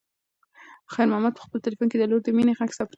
خیر محمد په خپل تلیفون کې د لور د مینې غږ پټ کړ.